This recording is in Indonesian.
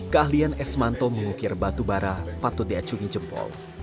keahlian esmanto mengukir batubara patut diacungi jempol